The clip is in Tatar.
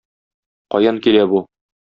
Каян килә бу?